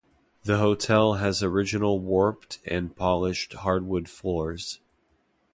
The hotel has original warped and polished hardwood floors.